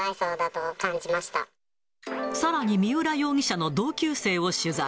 さらに三浦容疑者の同級生を取材。